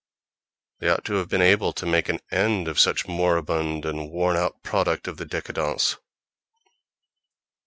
They ought to have been able to make an end of such a moribund and worn out product of the décadence.